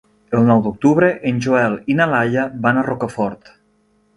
El nou d'octubre en Joel i na Laia van a Rocafort.